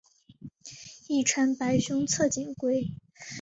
亦称白胸侧颈龟。